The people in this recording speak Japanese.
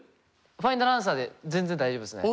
ファイナルアンサーで全然大丈夫ですね。